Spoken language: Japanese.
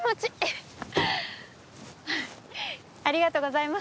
フフありがとうございます